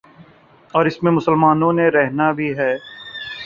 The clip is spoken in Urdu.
اور اس میں مسلمانوں نے رہنا بھی ہے۔